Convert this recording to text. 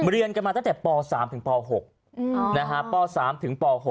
เรียนกันมาตั้งแต่ป๓ถึงป๖ป๓ถึงป๖